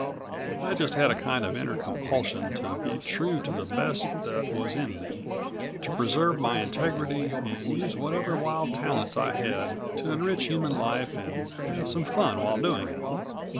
I just had a kind of inner compulsion to be true to the best that was in me, to preserve my integrity and use whatever wild talents I had to enrich human life and have some fun while doing it.